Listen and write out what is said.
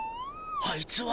あいつは！